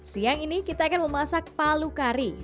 siang ini kita akan memasak palu kari